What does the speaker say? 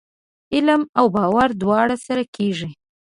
علم او باور دواړه سره کېږي ؟